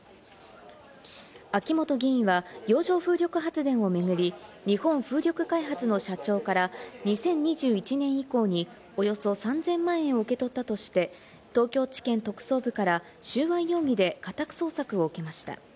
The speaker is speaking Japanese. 秋本議員は洋上風力発電を巡り、日本風力開発の社長から２０２１年以降におよそ３０００万円を受け取ったとして、東京地検特捜部から収賄容疑で家宅捜索を受けました。